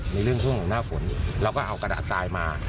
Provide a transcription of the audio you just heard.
ในเรื่องของหน้าฝนเราก็เอากระดาษทรายมา